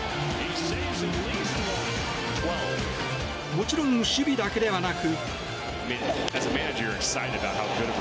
もちろん守備だけではなく。